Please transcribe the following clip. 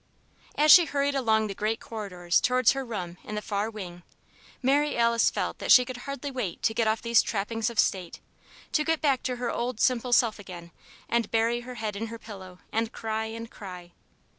As she hurried along the great corridors towards her room in the far wing, Mary Alice felt that she could hardly wait to get off these trappings of state; to get back to her old simple self again and bury her head in her pillow and cry and cry.